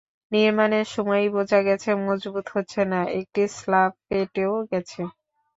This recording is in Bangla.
নির্মাণের সময়ই বোঝা গেছে, মজবুত হচ্ছে না, একটি স্ল্যাব ফেটেও গেছে।